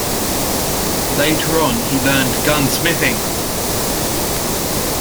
Later on he learned gunsmithing.